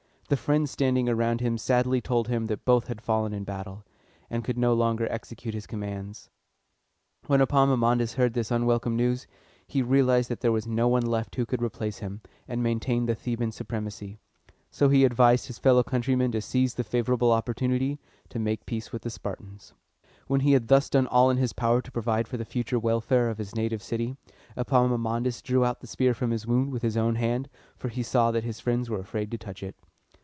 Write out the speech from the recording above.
The friends standing around him sadly told him that both had fallen in the battle, and could no longer execute his commands. When Epaminondas heard this unwelcome news, he realized that there was no one left who could replace him, and maintain the Theban supremacy: so he advised his fellow countrymen to seize the favorable opportunity to make peace with the Spartans. When he had thus done all in his power to provide for the future welfare of his native city, Epaminondas drew out the spear from his wound with his own hand, for he saw that his friends were afraid to touch it.